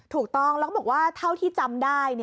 ถูกต้องแล้วก็บอกว่าเท่าที่จำได้